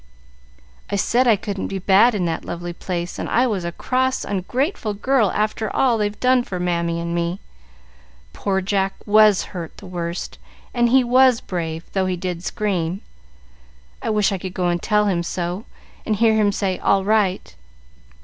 "I said I couldn't be bad in that lovely place, and I was a cross, ungrateful girl after all they've done for Mammy and me. Poor Jack was hurt the worst, and he was brave, though he did scream. I wish I could go and tell him so, and hear him say, 'All right.'